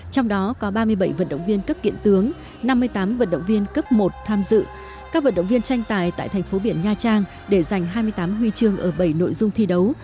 trong đó có ba mươi bảy vận động viên cấp kiện tướng năm mươi tám vận động viên cấp một tham dự các vận động viên tranh tài tại thành phố biển nha trang để giành hai mươi tám huy chương ở bảy nội dung thi đấu